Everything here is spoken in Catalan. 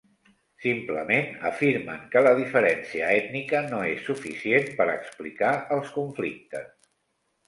Simplement afirmen que la diferència ètnica no és suficient per explicar els conflictes.